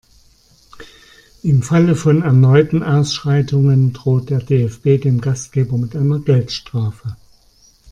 Im Falle von erneuten Ausschreitungen droht der DFB dem Gastgeber mit einer Geldstrafe.